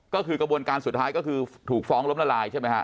ก็คือกระบวนการสุดท้ายก็คือถูกฟ้องล้มละลายใช่ไหมฮะ